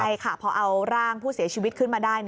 ใช่ค่ะพอเอาร่างผู้เสียชีวิตขึ้นมาได้